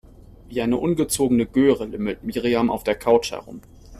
Wie eine ungezogene Göre lümmelt Miriam auf der Couch herum.